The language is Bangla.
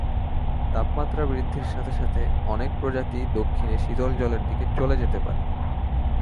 তাপমাত্রা বৃদ্ধির সাথে সাথে অনেক প্রজাতি দক্ষিণে শীতল জলের দিকে চলে যেতে পারে।